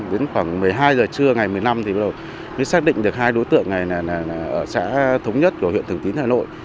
đến khoảng một mươi hai giờ trưa ngày một mươi năm thì bắt đầu mới xác định được hai đối tượng này ở xã thống nhất của huyện thường tín hà nội